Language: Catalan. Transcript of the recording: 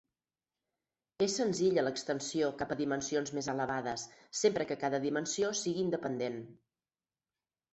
És senzilla l'extensió cap a dimensions més elevades, sempre que cada dimensió sigui independent.